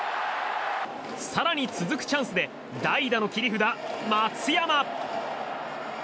更に続くチャンスで代打の切り札、松山。